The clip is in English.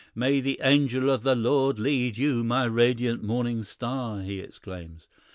"May the angel of the Lord lead you, my radiant morning star!" he exclaims.